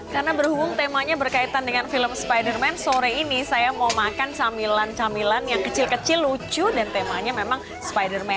karena berhubung temanya berkaitan dengan film spiderman sore ini saya mau makan camilan camilan yang kecil kecil lucu dan temanya memang spiderman